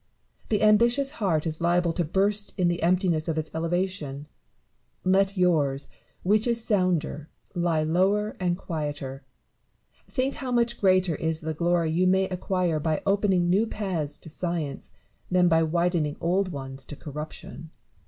The ambitious heart is liable to burst in the emptiness of its elevation : let yours, which is sounder, lie lower and quieter. Think how much greater is the glory you may acquire by opening new paths to science, than by widening old ones to corruption.